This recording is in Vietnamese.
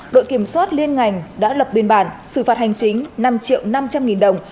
đội kiểm soát liên ngành đã lập biên bản xử phạt hành chính năm triệu năm trăm linh nghìn đồng